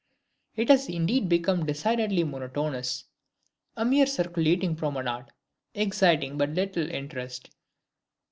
It has indeed become decidedly monotonous, a mere circulating promenade, exciting but little interest.